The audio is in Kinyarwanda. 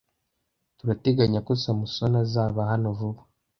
Turateganya ko Samusoni azaba hano vuba.